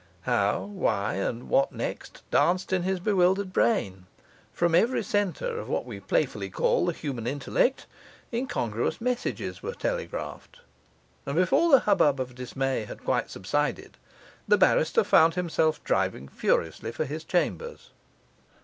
How, why, and what next, danced in his bewildered brain; from every centre of what we playfully call the human intellect incongruous messages were telegraphed; and before the hubbub of dismay had quite subsided, the barrister found himself driving furiously for his chambers.